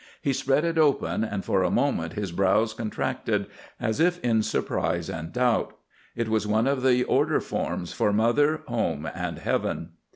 He spread it open, and for a moment his brows contracted as if in surprise and doubt. It was one of the order forms for "Mother, Home, and Heaven."